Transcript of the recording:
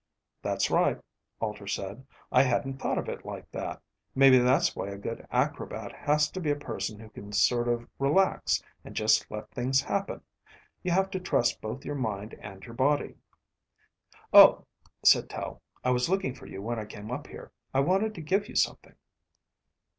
"That's right," Alter said. "I hadn't thought of it like that Maybe that's why a good acrobat has to be a person who can sort of relax and just let things happen. You have to trust both your mind and your body." "Oh," said Tel. "I was looking for you when I came up here. I wanted to give you something."